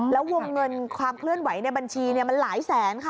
แล้ววงเงินความเคลื่อนไหวในบัญชีมันหลายแสนค่ะ